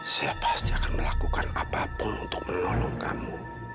saya pasti akan melakukan apapun untuk menolong kamu